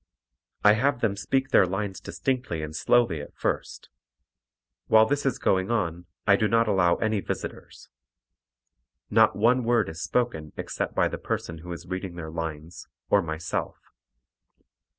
I have them speak their lines distinctly and slowly at first. While this is going on I do not allow any visitors. Not one word is spoken except by the person who is reading the lines, or myself.